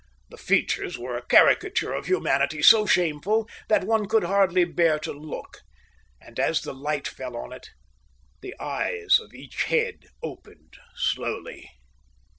The features were a caricature of humanity so shameful that one could hardly bear to look. And as the light fell on it, the eyes of each head opened slowly.